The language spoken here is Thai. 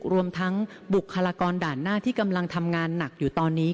รวมทั้งบุคลากรด่านหน้าที่กำลังทำงานหนักอยู่ตอนนี้